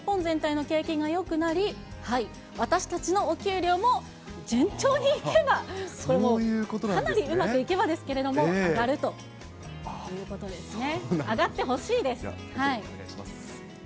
そうすると、日本全体の景気がよくなり、私たちのお給料も、順調にいけば、かなりうまくいけばですけれども、上がるということですね。